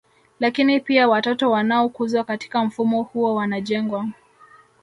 Lakini pia watoto wanaokuzwa katika mfumo huo wanajengwa